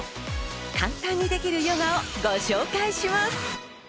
簡単にできるヨガをご紹介します。